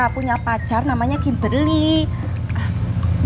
punya pacar namanya kimberly